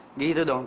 kamu hebat banget